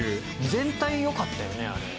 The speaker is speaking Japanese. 全体良かったよねあれ。